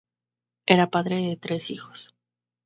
Era padre de tres hijos.